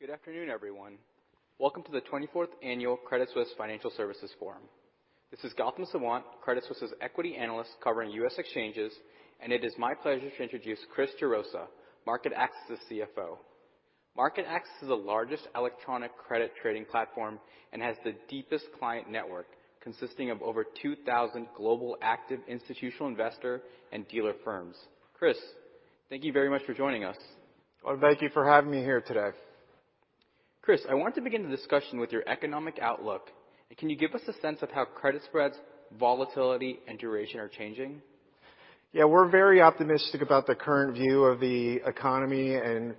Good afternoon, everyone. Welcome to the 24th Annual Credit Suisse Financial Services Forum. This is Gautam Sawant, Credit Suisse's equity analyst covering US exchanges, and it is my pleasure to introduce Chris Gerosa, MarketAxess' CFO. MarketAxess is the largest electronic credit trading platform and has the deepest client network consisting of over 2,000 global active institutional investor and dealer firms. Chris, thank you very much for joining us. Well, thank you for having me here today. Chris, I want to begin the discussion with your economic outlook. Can you give us a sense of how credit spreads, volatility, and duration are changing? Yeah, we're very optimistic about the current view of the economy and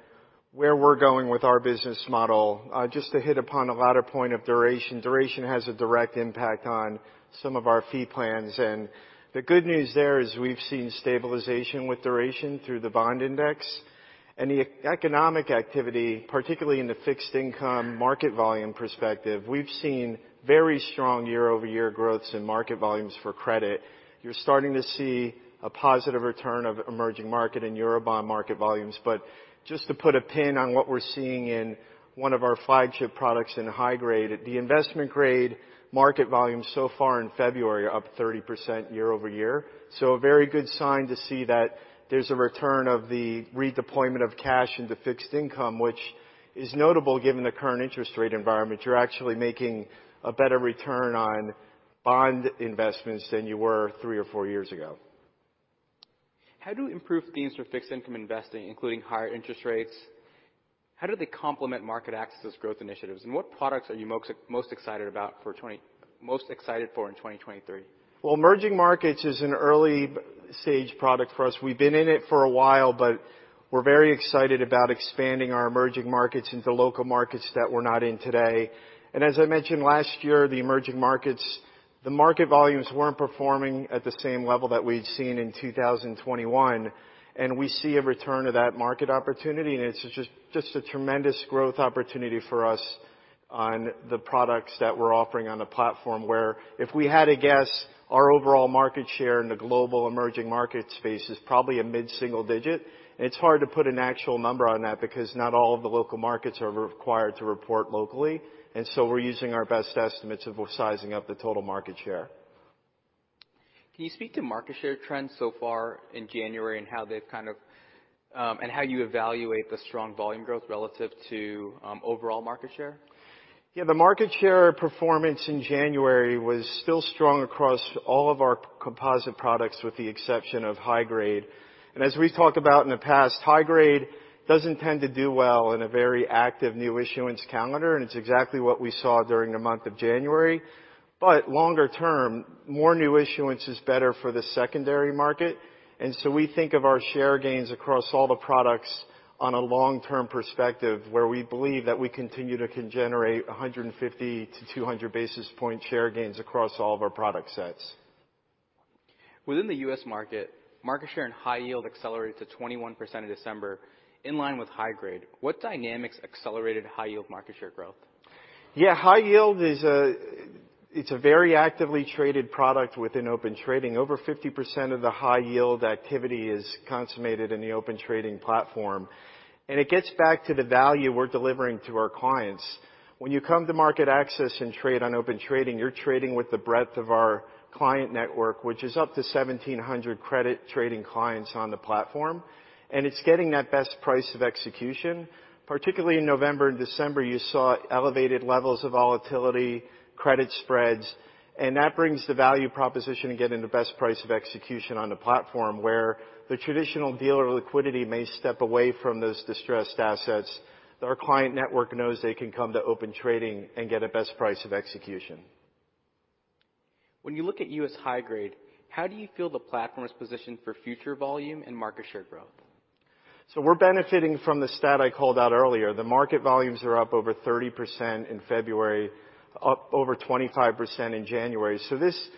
where we're going with our business model. Just to hit upon the latter point of duration. Duration has a direct impact on some of our fee plans. The good news there is we've seen stabilization with duration through the bond index. The economic activity, particularly in the fixed income market volume perspective, we've seen very strong year-over-year growths in market volumes for credit. You're starting to see a positive return of emerging market and Eurobond market volumes. Just to put a pin on what we're seeing in one of our flagship products in high grade. The investment grade market volume so far in February are up 30% year-over-year. A very good sign to see that there's a return of the redeployment of cash into fixed income, which is notable given the current interest rate environment. You're actually making a better return on bond investments than you were three or four years ago. How do improved themes for fixed income investing, including higher interest rates, how do they complement MarketAxess growth initiatives? What products are you most excited for in 2023? Well, emerging markets is an early stage product for us. We've been in it for a while, we're very excited about expanding our emerging markets into local markets that we're not in today. As I mentioned last year, the emerging markets, the market volumes weren't performing at the same level that we'd seen in 2021. We see a return to that market opportunity, and it's just a tremendous growth opportunity for us on the products that we're offering on the platform, where if we had to guess, our overall market share in the global emerging market space is probably a mid-single digit. It's hard to put an actual number on that because not all of the local markets are required to report locally. We're using our best estimates of what sizing up the total market share. Can you speak to market share trends so far in January and how you evaluate the strong volume growth relative to overall market share? Yeah, the market share performance in January was still strong across all of our composite products, with the exception of high grade. As we've talked about in the past, high grade doesn't tend to do well in a very active new issuance calendar, and it's exactly what we saw during the month of January. Longer-term, more new issuance is better for the secondary market. We think of our share gains across all the products on a long-term perspective, where we believe that we continue to generate 150-200 basis point share gains across all of our product sets. Within the U.S. market share and high yield accelerated to 21% in December, in line with high grade. What dynamics accelerated high yield market share growth? Yeah, high yield it's a very actively traded product within Open Trading. Over 50% of the high yield activity is consummated in the Open Trading platform. It gets back to the value we're delivering to our clients. When you come to MarketAxess and trade on Open Trading, you're trading with the breadth of our client network, which is up to 1,700 credit trading clients on the platform, and it's getting that best price of execution. Particularly in November and December, you saw elevated levels of volatility, credit spreads, and that brings the value proposition to getting the best price of execution on the platform, where the traditional dealer liquidity may step away from those distressed assets, that our client network knows they can come to Open Trading and get a best price of execution. When you look at U.S. high grade, how do you feel the platform is positioned for future volume and market share growth? We're benefiting from the stat I called out earlier. The market volumes are up over 30% in February, up over 25% in January. This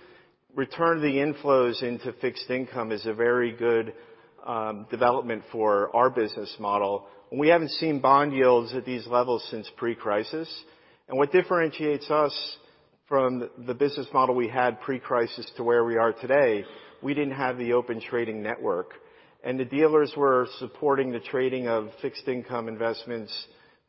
return of the inflows into fixed income is a very good development for our business model. We haven't seen bond yields at these levels since pre-crisis. What differentiates us from the business model we had pre-crisis to where we are today, we didn't have the Open Trading network. The dealers were supporting the trading of fixed income investments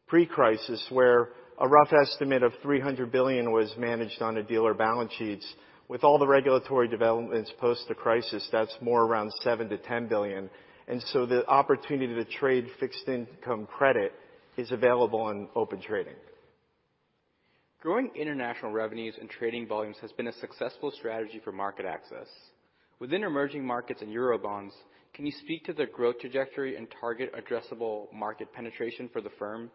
pre-crisis, where a rough estimate of $300 billion was managed on the dealer balance sheets. With all the regulatory developments post the crisis, that's more around $7 billion-$10 billion. The opportunity to trade fixed income credit is available in Open Trading. Growing international revenues and trading volumes has been a successful strategy for MarketAxess. Within emerging markets and Eurobonds, can you speak to the growth trajectory and target addressable market penetration for the firm?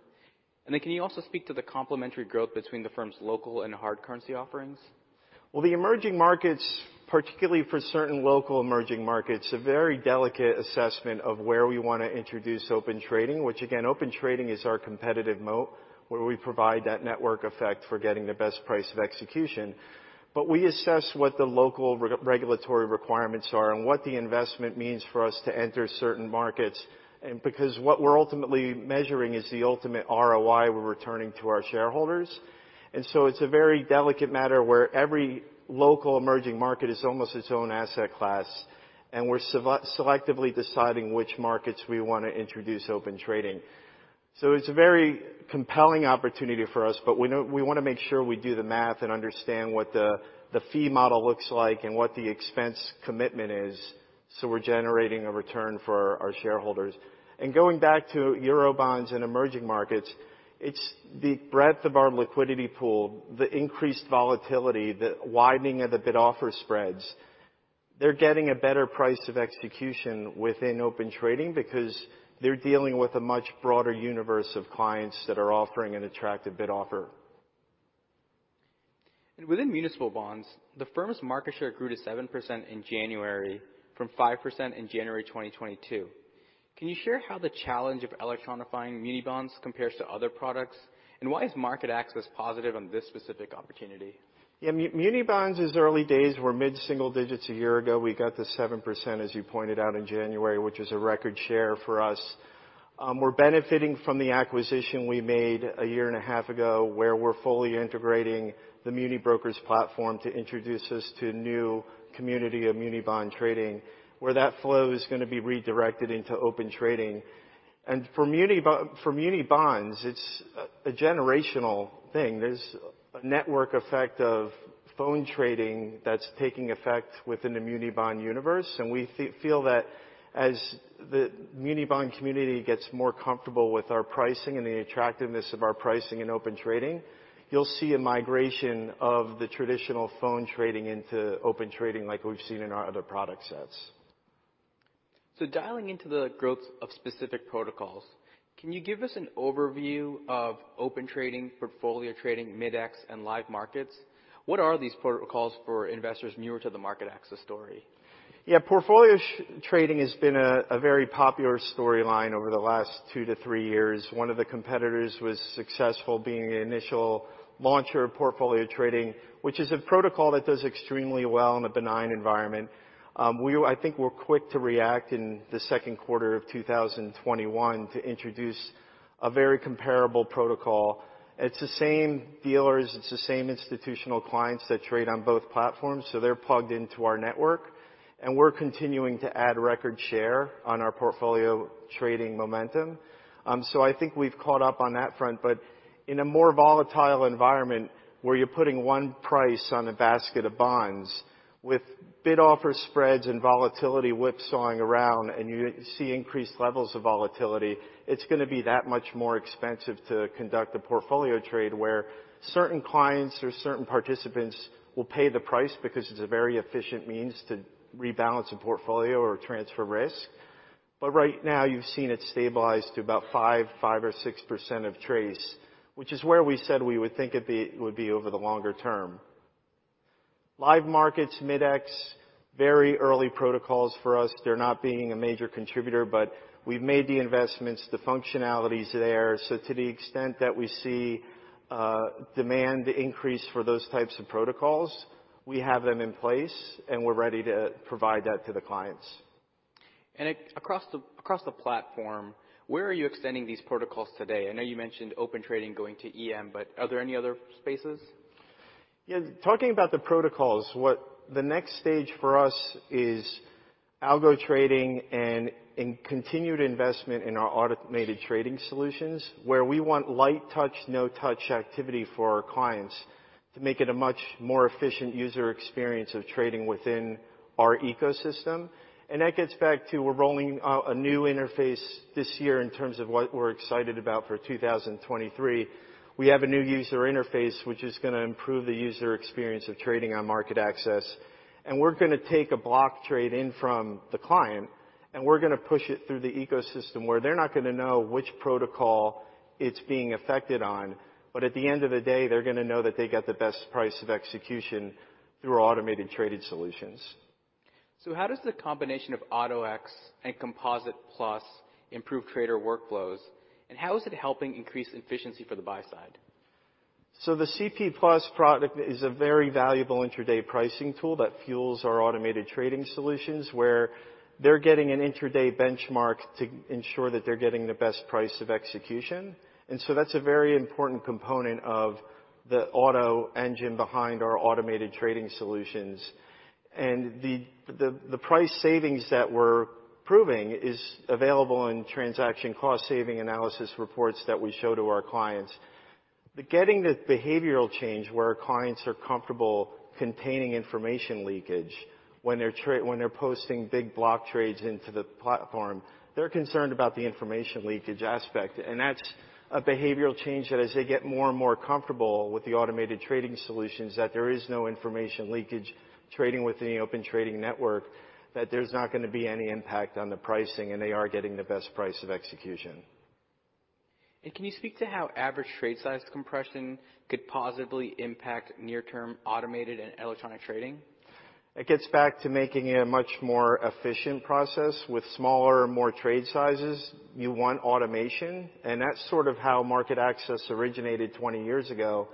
Can you also speak to the complementary growth between the firm's local and hard currency offerings? Well, the emerging markets, particularly for certain local emerging markets, a very delicate assessment of where we wanna introduce Open Trading, which again, Open Trading is our competitive moat, where we provide that network effect for getting the best price of execution. We assess what the local regulatory requirements are and what the investment means for us to enter certain markets. Because what we're ultimately measuring is the ultimate ROI we're returning to our shareholders. It's a very delicate matter where every local emerging market is almost its own asset class, and we're selectively deciding which markets we wanna introduce Open Trading. It's a very compelling opportunity for us, but we wanna make sure we do the math and understand what the fee model looks like and what the expense commitment is so we're generating a return for our shareholders. Going back to Eurobonds and emerging markets, it's the breadth of our liquidity pool, the increased volatility, the widening of the bid-offer spreads. They're getting a better price of execution within Open Trading because they're dealing with a much broader universe of clients that are offering an attractive bid offer. Within municipal bonds, the firmest market share grew to 7% in January from 5% in January 2022. Can you share how the challenge of electronifying muni bonds compares to other products? Why is MarketAxess positive on this specific opportunity? Yeah. Muni bonds is early days. We're mid-single digits a year ago. We got to 7%, as you pointed out, in January, which is a record share for us. We're benefiting from the acquisition we made a year and a half ago, where we're fully integrating the MuniBrokers platform to introduce us to new community of Muni bond trading, where that flow is gonna be redirected into Open Trading. For Muni bonds, it's a generational thing. There's a network effect of phone trading that's taking effect within the Muni bond universe, and we feel that as the Muni bond community gets more comfortable with our pricing and the attractiveness of our pricing in Open Trading, you'll see a migration of the traditional phone trading into Open Trading like we've seen in our other product sets. Dialing into the growth of specific protocols, can you give us an overview of Open Trading, Portfolio Trading, Mid-X and Live Markets? What are these protocols for investors newer to the MarketAxess story? Portfolio Trading has been a very popular storyline over the last two to three years. One of the competitors was successful being the initial launcher of Portfolio Trading, which is a protocol that does extremely well in a benign environment. I think we're quick to react in the second quarter of 2021 to introduce a very comparable protocol. It's the same dealers, it's the same institutional clients that trade on both platforms, they're plugged into our network. We're continuing to add record share on our portfolio trading momentum. I think we've caught up on that front. In a more volatile environment where you're putting one price on a basket of bonds with bid-offer spreads and volatility whipsawing around and you see increased levels of volatility, it's gonna be that much more expensive to conduct a portfolio trade, where certain clients or certain participants will pay the price because it's a very efficient means to rebalance a portfolio or transfer risk. Right now you've seen it stabilize to about 5% or 6% of TRACE, which is where we said we would think it would be over the longer term. Live Markets, Mid-X, very early protocols for us. They're not being a major contributor, but we've made the investments, the functionality's there. To the extent that we see demand increase for those types of protocols, we have them in place, and we're ready to provide that to the clients. across the platform, where are you extending these protocols today? I know you mentioned Open Trading going to EM, but are there any other spaces? Yeah. Talking about the protocols, what the next stage for us is algo trading and continued investment in our automated trading solutions, where we want light touch, no touch activity for our clients to make it a much more efficient user experience of trading within our ecosystem. That gets back to we're rolling out a new interface this year in terms of what we're excited about for 2023. We have a new user interface which is gonna improve the user experience of trading on MarketAxess. We're gonna take a block trade in from the client, and we're gonna push it through the ecosystem where they're not gonna know which protocol it's being affected on. At the end of the day, they're gonna know that they get the best price of execution through our automated trading solutions. How does the combination of Auto-X and Composite+ improve trader workflows, and how is it helping increase efficiency for the buy side? The CP+ product is a very valuable intraday pricing tool that fuels our automated trading solutions, where they're getting an intraday benchmark to ensure that they're getting the best price of execution. That's a very important component of the auto engine behind our automated trading solutions. The price savings that we're proving is available in transaction cost saving analysis reports that we show to our clients. Getting the behavioral change where our clients are comfortable containing information leakage when they're posting big block trades into the platform, they're concerned about the information leakage aspect. That's a behavioral change that as they get more and more comfortable with the automated trading solutions, that there is no information leakage trading within the Open Trading Network, that there's not gonna be any impact on the pricing, and they are getting the best price of execution. Can you speak to how average trade size compression could positively impact near-term automated and electronic trading? It gets back to making it a much more efficient process. With smaller, more trade sizes, you want automation, that's sort of how MarketAxess originated 20 years ago,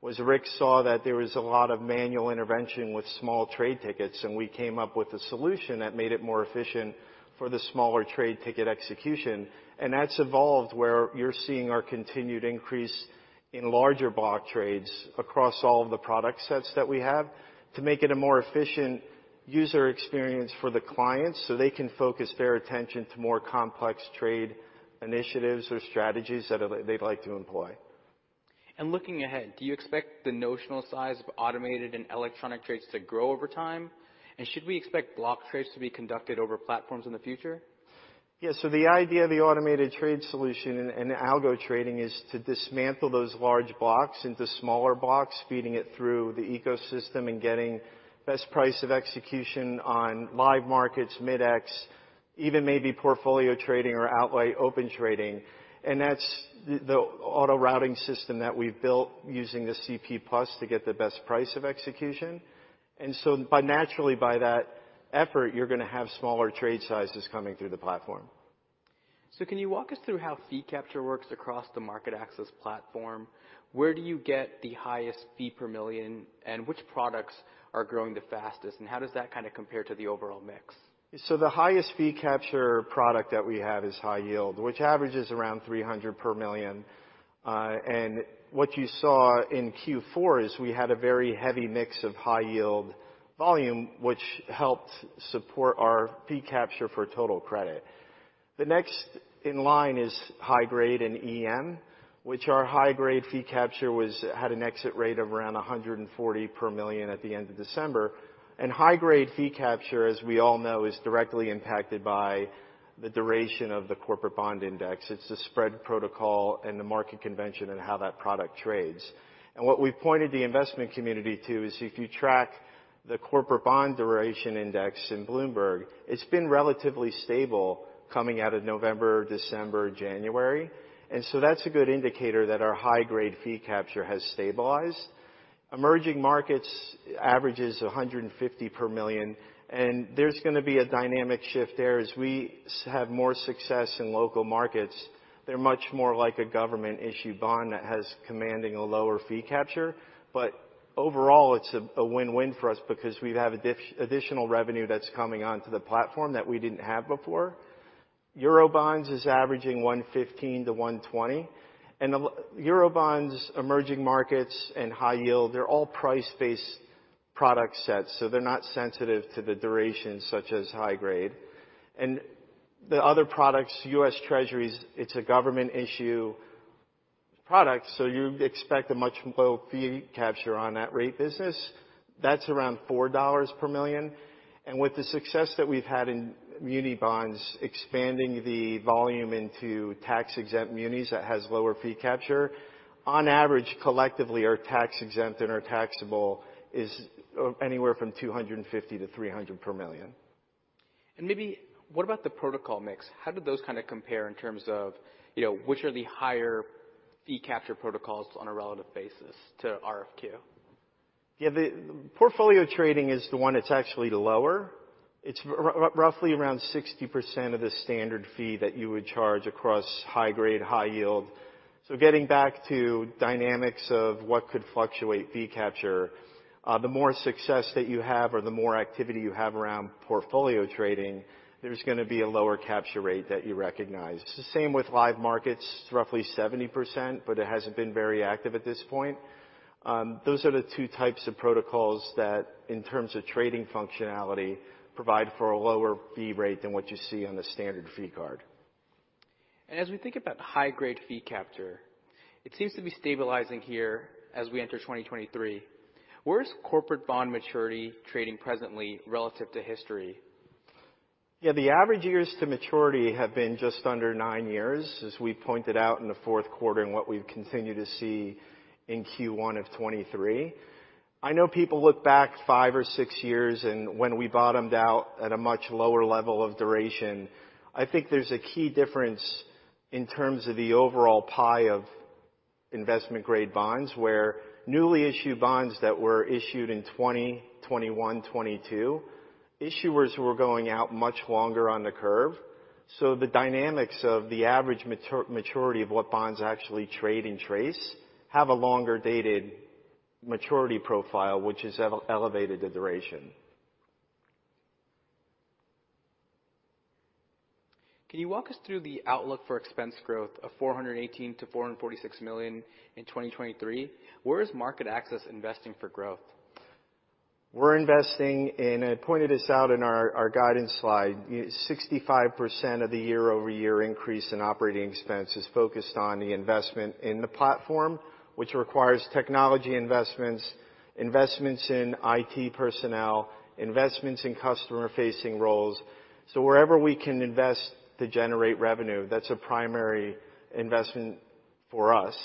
was Rick saw that there was a lot of manual intervention with small trade tickets, and we came up with a solution that made it more efficient for the smaller trade ticket execution. That's evolved where you're seeing our continued increase in larger block trades across all of the product sets that we have to make it a more efficient user experience for the clients, so they can focus their attention to more complex trade initiatives or strategies that they'd like to employ. Looking ahead, do you expect the notional size of automated and electronic trades to grow over time? Should we expect block trades to be conducted over platforms in the future? Yeah. The idea of the automated trade solution and algo trading is to dismantle those large blocks into smaller blocks, feeding it through the ecosystem and getting best price of execution on Live Markets, Mid-X, even maybe Portfolio Trading or Open Trading. That's the auto routing system that we've built using the CP+ to get the best price of execution. By naturally by that effort, you're gonna have smaller trade sizes coming through the platform. Can you walk us through how fee capture works across the MarketAxess platform? Where do you get the highest fee per million, and which products are growing the fastest, and how does that kinda compare to the overall mix? The highest fee capture product that we have is high yield, which averages around $300 per million. What you saw in Q4 is we had a very heavy mix of high yield volume, which helped support our fee capture for total credit. The next in line is high grade and EM, which our high grade fee capture had an exit rate of around $140 per million at the end of December. High grade fee capture, as we all know, is directly impacted by the duration of the corporate bond index. It's the spread protocol and the market convention and how that product trades. What we've pointed the investment community to is if you track the corporate bond duration index in Bloomberg, it's been relatively stable coming out of November, December, January. That's a good indicator that our high grade fee capture has stabilized. Emerging Markets averages $150 per million, and there's going to be a dynamic shift there. As we have more success in local markets, they're much more like a government-issued bond that has commanding a lower fee capture. Overall, it's a win-win for us because we'd have additional revenue that's coming onto the platform that we didn't have before. Eurobonds is averaging $115-$120. The Eurobonds, Emerging Markets, and high yield, they're all price-based product sets, so they're not sensitive to the duration such as high grade. The other products, US Treasuries, it's a government issue product, so you'd expect a much low fee capture on that rate business. That's around $4 per million. With the success that we've had in muni bonds, expanding the volume into tax-exempt munis that has lower fee capture, on average, collectively, our tax-exempt and our taxable is anywhere from $250-$300 per million. Maybe what about the protocol mix? How do those kinda compare in terms of, you know, which are the higher fee capture protocols on a relative basis to RFQ? Yeah. The portfolio trading is the one that's actually lower. It's roughly around 60% of the standard fee that you would charge across high grade, high yield. Getting back to dynamics of what could fluctuate fee capture, the more success that you have or the more activity you have around portfolio trading, there's gonna be a lower capture rate that you recognize. It's the same with Live Markets, roughly 70%, but it hasn't been very active at this point. Those are the two types of protocols that, in terms of trading functionality, provide for a lower fee rate than what you see on the standard fee card. As we think about high grade fee capture, it seems to be stabilizing here as we enter 2023. Where is corporate bond maturity trading presently relative to history? Yeah. The average years to maturity have been just under nine years, as we pointed out in the fourth quarter and what we've continued to see in Q1 of 2023. I know people look back five or six years and when we bottomed out at a much lower level of duration, I think there's a key difference in terms of the overall pie of investment-grade bonds, where newly issued bonds that were issued in 2020, 2021, 2022, issuers were going out much longer on the curve. The dynamics of the average maturity of what bonds actually trade and TRACE have a longer-dated maturity profile, which has elevated the duration. Can you walk us through the outlook for expense growth of $418 million-$446 million in 2023? Where is MarketAxess investing for growth? We're investing, and I pointed this out in our guidance slide, 65% of the year-over-year increase in OpEx is focused on the investment in the platform, which requires technology investments in IT personnel, investments in customer-facing roles. Wherever we can invest to generate revenue, that's a primary investment for us.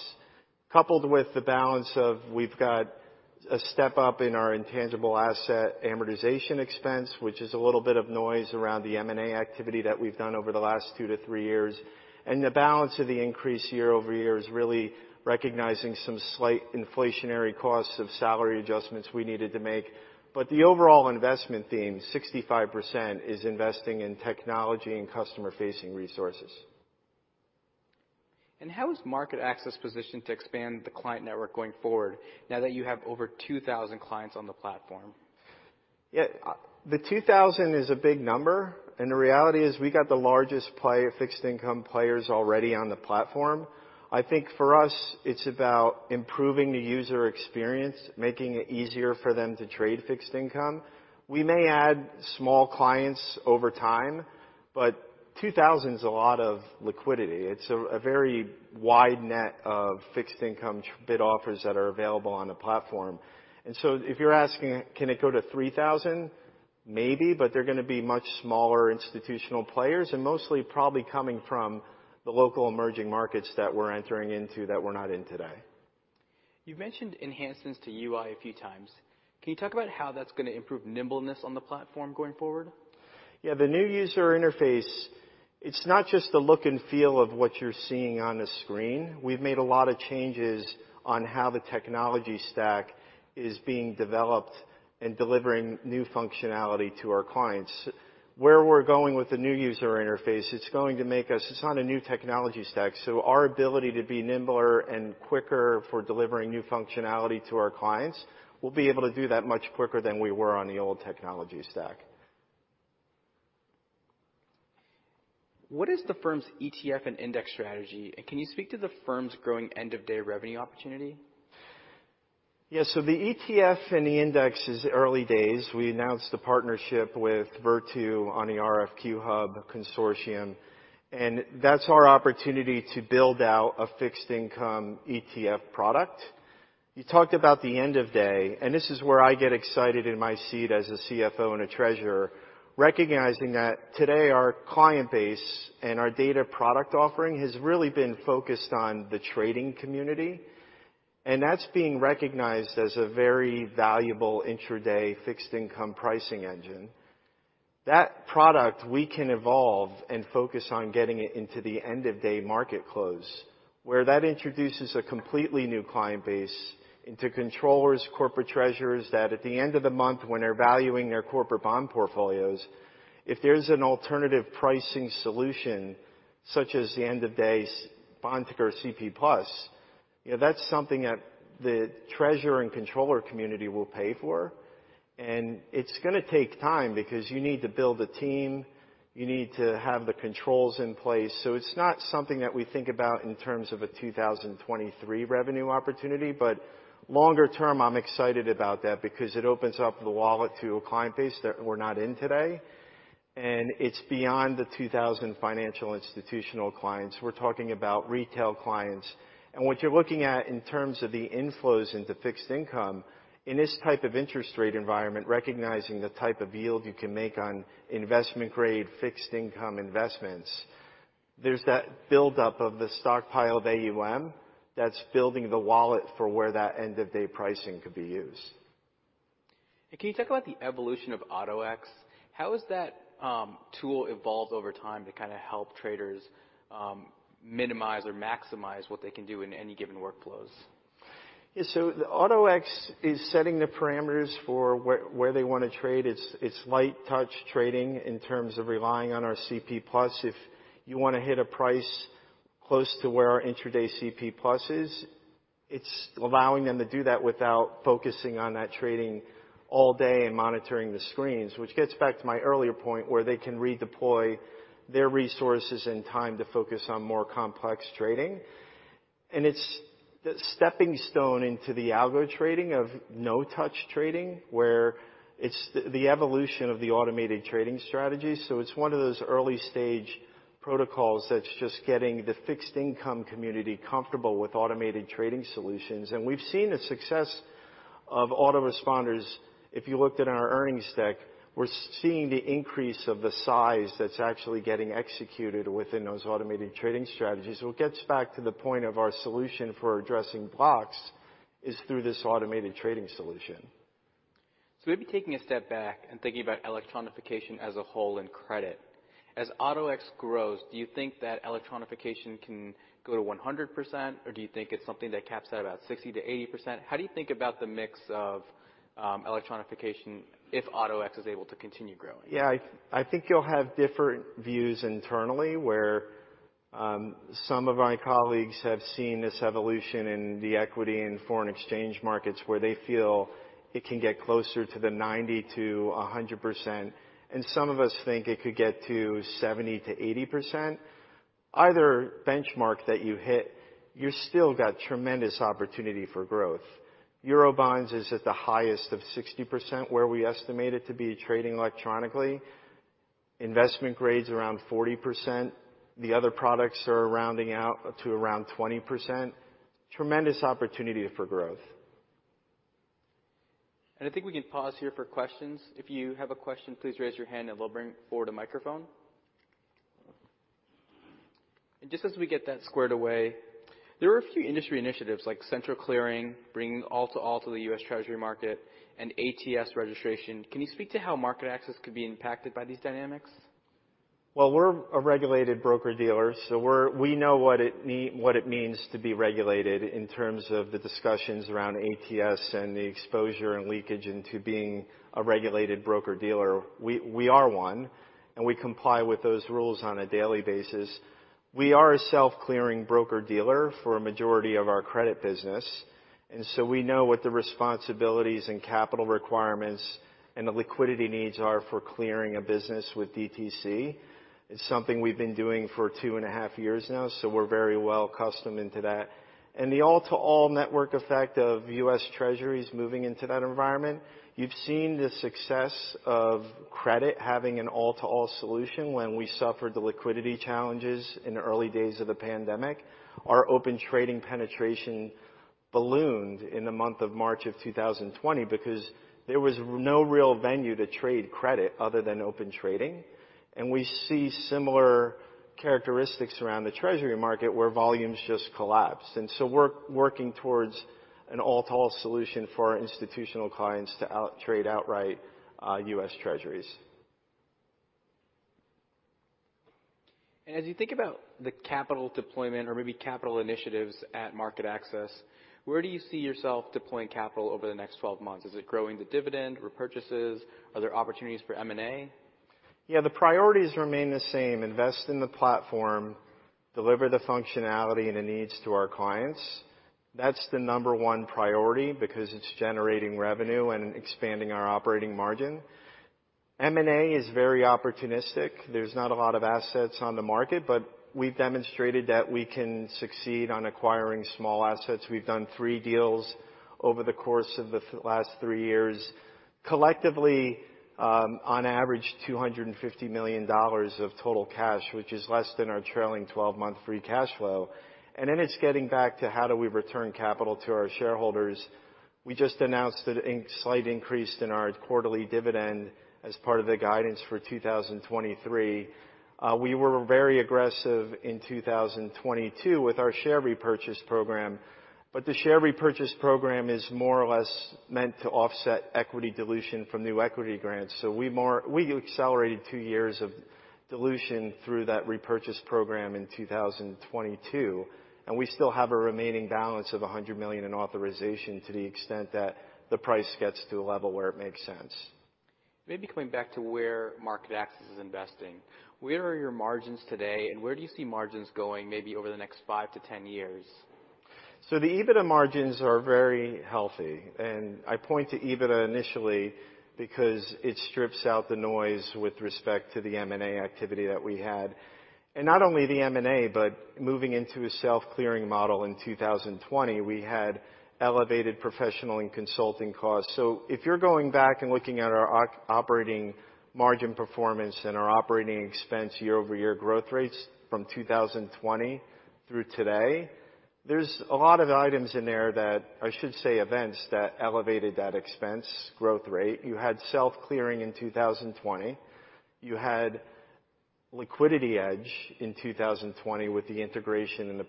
Coupled with the balance of we've got a step up in our intangible asset amortization expense, which is a little bit of noise around the M&A activity that we've done over the last two to three years. The balance of the increase year-over-year is really recognizing some slight inflationary costs of salary adjustments we needed to make. The overall investment theme, 65%, is investing in technology and customer-facing resources. How is MarketAxess positioned to expand the client network going forward now that you have over 2,000 clients on the platform? Yeah. The 2,000 is a big number, and the reality is we got the largest fixed income players already on the platform. I think for us, it's about improving the user experience, making it easier for them to trade fixed income. We may add small clients over time. 2,000's a lot of liquidity. It's a very wide net of fixed income bid offers that are available on the platform. If you're asking can it go to 3,000, maybe, but they're gonna be much smaller institutional players and mostly probably coming from the local emerging markets that we're entering into that we're not in today. You've mentioned enhancements to U.I. a few times. Can you talk about how that's gonna improve nimbleness on the platform going forward? The new user interface, it's not just the look and feel of what you're seeing on the screen. We've made a lot of changes on how the technology stack is being developed and delivering new functionality to our clients. Where we're going with the new user interface, it's on a new technology stack, so our ability to be nimbler and quicker for delivering new functionality to our clients, we'll be able to do that much quicker than we were on the old technology stack. What is the firm's ETF and index strategy, and can you speak to the firm's growing end-of-day revenue opportunity? The ETF and the index is early days. We announced the partnership with Virtu on the RFQ-hub consortium, and that's our opportunity to build out a fixed income ETF product. You talked about the end of day, and this is where I get excited in my seat as a CFO and a treasurer, recognizing that today our client base and our data product offering has really been focused on the trading community, and that's being recognized as a very valuable intra-day fixed income pricing engine. That product we can evolve and focus on getting it into the end-of-day market close, where that introduces a completely new client base into controllers, corporate treasurers, that at the end of the month, when they're valuing their corporate bond portfolios, if there's an alternative pricing solution, such as the end-of-days BondTicker CP+, you know, that's something that the treasurer and controller community will pay for. It's gonna take time because you need to build the team. You need to have the controls in place. It's not something that we think about in terms of a 2023 revenue opportunity. Longer term, I'm excited about that because it opens up the wallet to a client base that we're not in today, and it's beyond the 2,000 financial institutional clients. We're talking about retail clients. What you're looking at in terms of the inflows into fixed income, in this type of interest rate environment, recognizing the type of yield you can make on investment-grade fixed income investments, there's that buildup of the stockpiled AUM that's building the wallet for where that end-of-day pricing could be used. Can you talk about the evolution of Auto-X? How has that tool evolved over time to kinda help traders minimize or maximize what they can do in any given workflows? Yeah. The Auto-X is setting the parameters for where they wanna trade. It's light touch trading in terms of relying on our CP+. If you wanna hit a price close to where our intra-day CP+ is, it's allowing them to do that without focusing on that trading all day and monitoring the screens, which gets back to my earlier point, where they can redeploy their resources and time to focus on more complex trading. It's the stepping stone into the algo trading of no-touch trading, where it's the evolution of the automated trading strategy. It's one of those early-stage protocols that's just getting the fixed income community comfortable with automated trading solutions. We've seen the success of Auto-Responders. If you looked at our earnings deck, we're seeing the increase of the size that's actually getting executed within those automated trading strategies. It gets back to the point of our solution for addressing blocks is through this automated trading solution. Maybe taking a step back and thinking about electronification as a whole in credit. As Auto-X grows, do you think that electronification can go to 100%, or do you think it's something that caps at about 60%-80%? How do you think about the mix of electronification if Auto-X is able to continue growing? I think you'll have different views internally, where some of my colleagues have seen this evolution in the equity and foreign exchange markets, where they feel it can get closer to 90%-100%, and some of us think it could get to 70%-80%. Either benchmark that you hit, you still got tremendous opportunity for growth. Euro bonds is at the highest of 60%, where we estimate it to be trading electronically. Investment grade's around 40%. The other products are rounding out to around 20%. Tremendous opportunity for growth. I think we can pause here for questions. If you have a question, please raise your hand, and we'll bring forward a microphone. Just as we get that squared away, there are a few industry initiatives, like central clearing, bringing all-to-all to the U.S. Treasury market and ATS registration. Can you speak to how MarketAxess could be impacted by these dynamics? Well, we know what it means to be regulated in terms of the discussions around ATS and the exposure and leakage into being a regulated broker-dealer. We are one, we comply with those rules on a daily basis. We are a self-clearing broker-dealer for a majority of our credit business. We know what the responsibilities and capital requirements and the liquidity needs are for clearing a business with DTC. It's something we've been doing for two and a half years now, we're very well accustomed into that. The all-to-all network effect of U.S. Treasuries moving into that environment, you've seen the success of credit having an all-to-all solution when we suffered the liquidity challenges in the early days of the pandemic. Our Open Trading penetration ballooned in the month of March of 2020 because there was no real venue to trade credit other than Open Trading. We see similar characteristics around the Treasury market, where volumes just collapsed. We're working towards an all-to-all solution for our institutional clients to trade outright US Treasuries. As you think about the capital deployment or maybe capital initiatives at MarketAxess, where do you see yourself deploying capital over the next 12 months? Is it growing the dividend, repurchases? Are there opportunities for M&A? The priorities remain the same: invest in the platform, deliver the functionality and the needs to our clients. That's the number one priority because it's generating revenue and expanding our operating margin. M&A is very opportunistic. There's not a lot of assets on the market, but we've demonstrated that we can succeed on acquiring small assets. We've done three deals over the course of the last three years. Collectively, on average, $250 million of total cash, which is less than our trailing 12 month free cash flow. It's getting back to: How do we return capital to our shareholders? We just announced that slight increase in our quarterly dividend as part of the guidance for 2023. We were very aggressive in 2022 with our share repurchase program. The share repurchase program is more or less meant to offset equity dilution from new equity grants. We accelerated two years of dilution through that repurchase program in 2022, and we still have a remaining balance of $100 million in authorization to the extent that the price gets to a level where it makes sense. Maybe coming back to where MarketAxess is investing, where are your margins today, and where do you see margins going maybe over the next five to 10 years? The EBITDA margins are very healthy, and I point to EBITDA initially because it strips out the noise with respect to the M&A activity that we had. Not only the M&A, but moving into a self-clearing model in 2020, we had elevated professional and consulting costs. If you're going back and looking at our operating margin performance and our operating expense year-over-year growth rates from 2020 through today, there's a lot of items in there that, I should say, events, that elevated that expense growth rate. You had self-clearing in 2020. You had LiquidityEdge in 2020 with the integration and the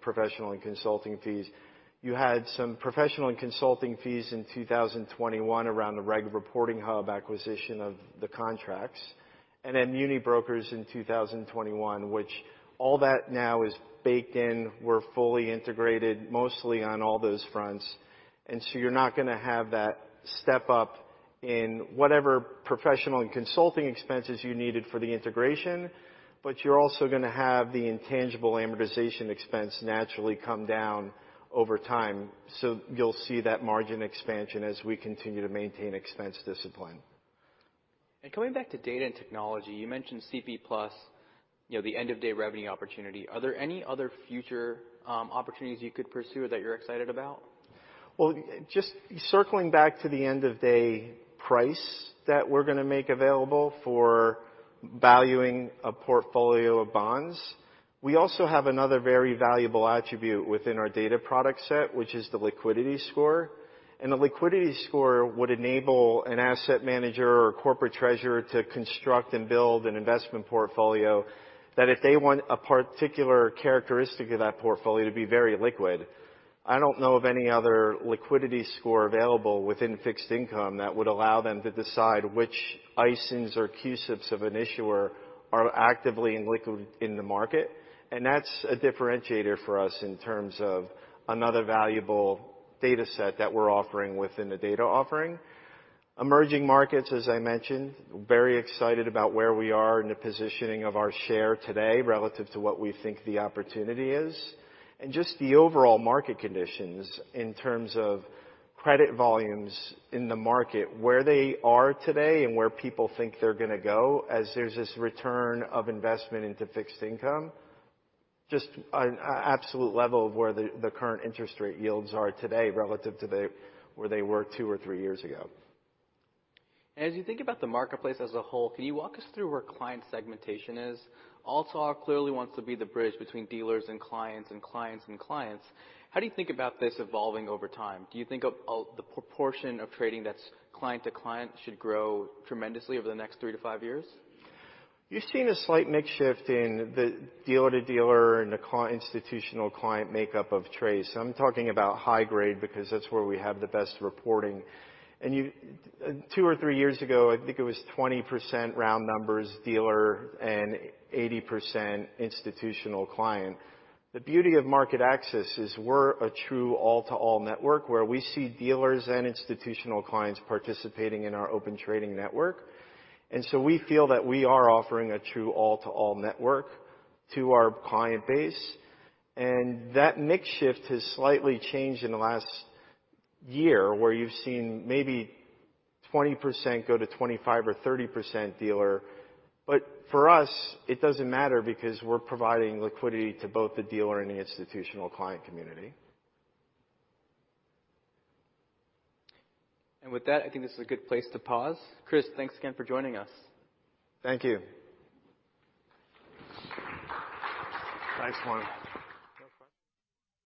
professional and consulting fees. You had some professional and consulting fees in 2021 around the Regulatory Reporting Hub acquisition of the contracts, then MuniBrokers in 2021, which all that now is baked in. We're fully integrated mostly on all those fronts. You're not gonna have that step-up in whatever professional and consulting expenses you needed for the integration, you're also gonna have the intangible amortization expense naturally come down over time. You'll see that margin expansion as we continue to maintain expense discipline. Coming back to data and technology, you mentioned CP+, you know, the end-of-day revenue opportunity. Are there any other future opportunities you could pursue that you're excited about? Well, just circling back to the end-of-day price that we're gonna make available for valuing a portfolio of bonds, we also have another very valuable attribute within our data product set, which is the liquidity score. The liquidity score would enable an asset manager or corporate treasurer to construct and build an investment portfolio that if they want a particular characteristic of that portfolio to be very liquid, I don't know of any other liquidity score available within fixed income that would allow them to decide which ISINs or CUSIPs of an issuer are actively in liquid in the market. That's a differentiator for us in terms of another valuable data set that we're offering within the data offering. Emerging markets, as I mentioned, very excited about where we are in the positioning of our share today relative to what we think the opportunity is. Just the overall market conditions in terms of credit volumes in the market, where they are today and where people think they're gonna go as there's this return of investment into fixed income, just an absolute level of where the current interest rate yields are today relative to where they were two or three years ago. As you think about the marketplace as a whole, can you walk us through where client segmentation is? All-to-all clearly wants to be the bridge between dealers and clients and clients and clients. How do you think about this evolving over time? Do you think of the proportion of trading that's client to client should grow tremendously over the next three to five years? You've seen a slight mix shift in the dealer to dealer and the institutional client makeup of trades. I'm talking about high grade because that's where we have the best reporting. Two or three years ago, I think it was 20% round numbers dealer and 80% institutional client. The beauty of MarketAxess is we're a true all-to-all network where we see dealers and institutional clients participating in our Open Trading network. We feel that we are offering a true all-to-all network to our client base. That mix shift has slightly changed in the last year, where you've seen maybe 20% go to 25% or 30% dealer. For us, it doesn't matter because we're providing liquidity to both the dealer and the institutional client community. With that, I think this is a good place to pause. Chris, thanks again for joining us. Thank you. Nice one. No problem.